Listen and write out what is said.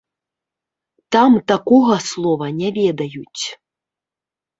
Там такога слова не ведаюць.